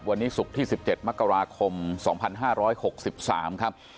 วันนี้ศุกร์ที่๑๗มกราคม๒๕๖๓ครับ